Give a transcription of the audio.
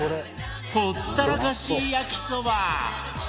ほったらかし焼きそば